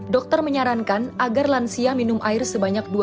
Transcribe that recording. dokter menyarankan agar lansia minum air sebanyak dua lima liter